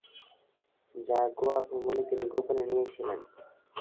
যা গোয়া ভ্রমণে তিনি গোপনে নিয়েছিলেন।